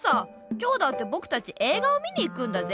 今日だってぼくたち映画を見に行くんだぜ？